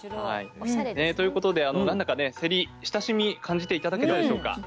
はいえということで何だかねせり親しみ感じて頂けたでしょうか。